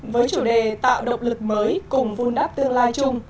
với chủ đề tạo động lực mới cùng vươn đáp tương lai chung